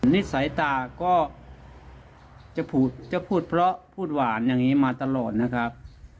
นิสัยตาก็จะพูดเพราะพูดหวานอย่างนี้มาตลอดนะครับ